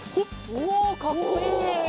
おかっこいい！